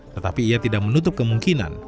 tetapi ia tidak menutup kemungkinan